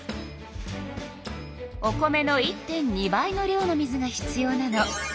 お米の１．２倍の量の水が必要なの。